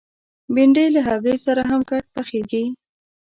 بېنډۍ له هګۍ سره هم ګډ پخېږي